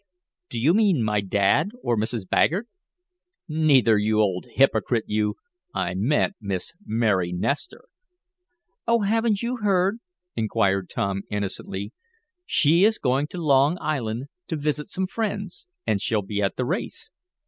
"Do you mean my dad or Mrs. Baggert?" "Neither, you old hypocrite you! I meant Miss Mary Nestor." "Oh, hadn't you heard?" inquired Tom innocently. "She is going to Long Island to visit some friends, and she'll be at the race."